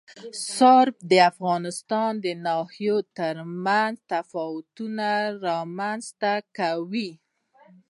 رسوب د افغانستان د ناحیو ترمنځ تفاوتونه رامنځ ته کوي.